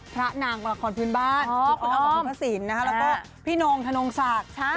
พระหนังหลักฐานพื้นบ้านคุณอ้อมคุณพระสินนะครับแล้วก็พี่นงธนงศาสตร์